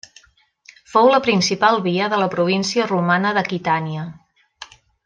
Fou la principal via de la província romana d'Aquitània.